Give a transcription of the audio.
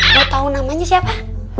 gue tau namanya siapa